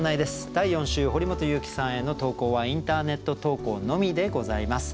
第４週堀本裕樹さんへの投稿はインターネット投稿のみでございます。